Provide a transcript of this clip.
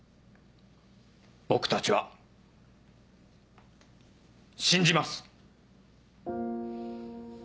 僕たちは信じます！